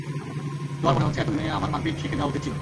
তোমার মনে হচ্ছে এতদিনে আমার মারপিট শিখে যাওয়া উচিত ছিল।